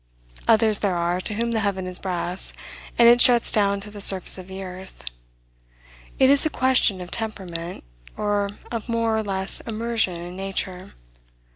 Others there are, to whom the heaven is brass, and it shuts down to the surface of the earth. It is a question of temperament, or of more or less immersion in nature.